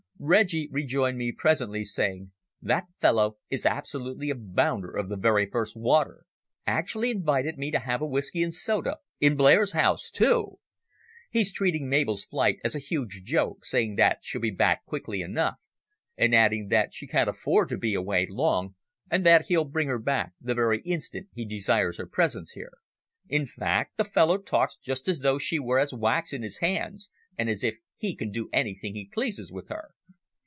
Reggie rejoined me presently, saying, "That fellow is absolutely a bounder of the very first water. Actually invited me to have a whisky and soda in Blair's house, too! He's treating Mabel's flight as a huge joke, saying that she'll be back quickly enough, and adding that she can't afford to be away long, and that he'll bring her back the very instant he desires her presence here. In fact, the fellow talks just as though she were as wax in his hands, and as if he can do anything he pleases with her."